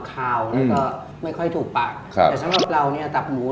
ตัวนี้เราต้องราดด้วยน้ำซอส